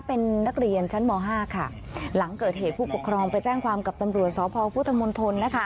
เป็นนักเรียนชั้นม๕ค่ะหลังเกิดเหตุผู้ปกครองไปแจ้งความกับตำรวจสพพุทธมนตรนะคะ